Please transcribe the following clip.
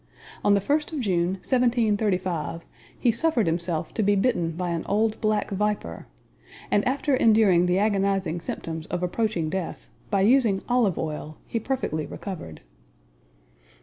On the first of June, 1735, he suffered himself to be bitten by an old black viper; and after enduring the agonizing symptoms of approaching death, by using olive oil he perfectly recovered.